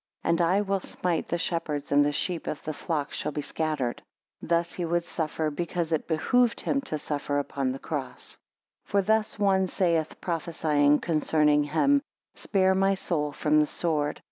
And, I will smite the shepherd, and the sheep of the flock shall be scattered. 17 Thus he would suffer, because it behoved him to suffer upon the cross. 18 For thus one saith, prophesying concerning him; Spare my soul from the sword.